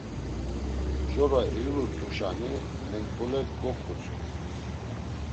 Mjora eyulurt̆uşani Menkbule goǩutsxu.